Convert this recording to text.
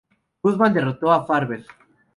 Goodman derrotó a Farber.